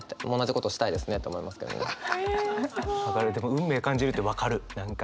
運命感じるって分かる何か。